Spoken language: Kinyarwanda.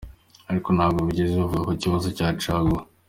Ariko ntabwo bigeze bavuga ku kibazo cya caguwa.